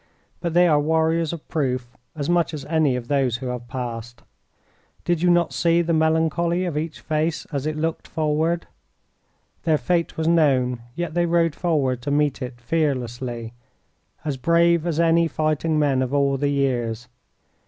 But they are warriors of proof, as much as any of those who have passed. Did you not see the melancholy of each face as it looked forward? Their fate was known, yet they rode forward to meet it fearlessly, as brave as any fighting men of all the years.